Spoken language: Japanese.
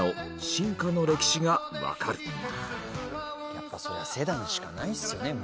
やっぱそりゃセダンしかないですよね。